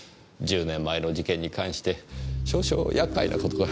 １０年前の事件に関して少々厄介な事が。